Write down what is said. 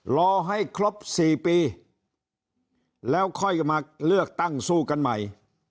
รอให้ครบ๔ปีแล้วค่อยมาเลือกตั้งสู้กันใหม่